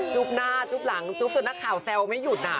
หน้าจุ๊บหลังจุ๊บจนนักข่าวแซวไม่หยุด